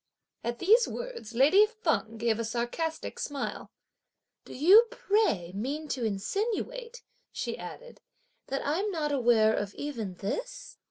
At these words lady Feng gave a sarcastic smile. "Do you, pray, mean to insinuate," she added, "that I'm not aware of even this!